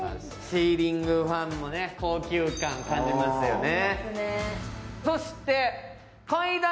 シーリングファンも高級感感じますよね。